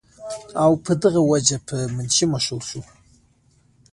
او پۀ دغه وجه پۀ منشي مشهور شو ۔